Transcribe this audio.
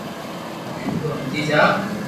ھين تو ھمجي جا